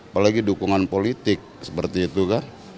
apalagi dukungan politik seperti itu kan